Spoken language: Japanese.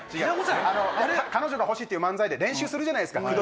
「彼女が欲しい」って漫才で練習するじゃないですか。